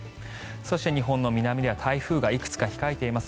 そして日本の南では台風がいくつか控えています。